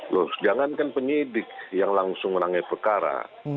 loh jangankan penyidik yang langsung menangani perkara